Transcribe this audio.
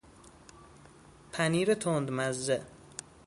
پنیر تندمزه